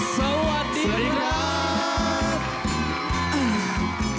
สวัสดีครับ